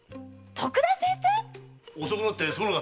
徳田先生‼